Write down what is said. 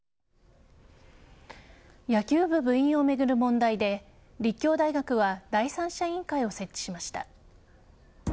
野球部部員を巡る問題で立教大学は第三者委員会を設置しました。